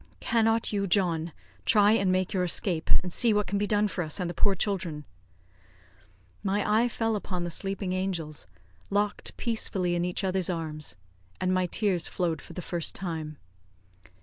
"Cannot you, John, try and make your escape, and see what can be done for us and the poor children?" My eye fell upon the sleeping angels, locked peacefully in each other's arms, and my tears flowed for the first time.